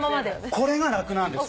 これが楽なんです。